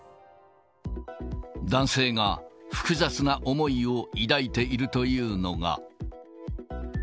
男性が複雑な思いを抱いているというのが。